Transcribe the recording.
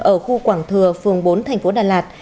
ở khu quảng thừa phường bốn tp đà lạt